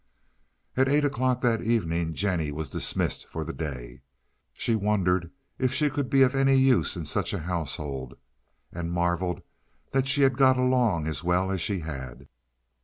At eight o'clock that evening Jennie was dismissed for the day. She wondered if she could be of any use in such a household, and marveled that she had got along as well as she had.